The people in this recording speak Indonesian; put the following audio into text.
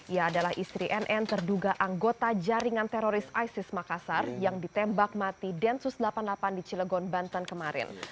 ia adalah istri nn terduga anggota jaringan teroris isis makassar yang ditembak mati densus delapan puluh delapan di cilegon banten kemarin